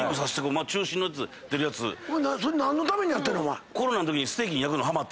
それ何のためにやってんの？